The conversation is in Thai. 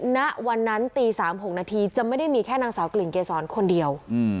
ณวันนั้นตี๓๖นาทีจะไม่ได้มีแค่นางสาวกลิ่นเกษรคนเดียว